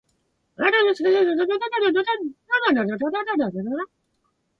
しかし、もっと驚くべきものは、どういう点が驚くべきかははっきりとはわからなかったのだが、右手の隅であった。